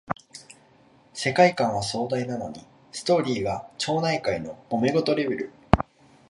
世界観は壮大なのにストーリーが町内会のもめ事レベル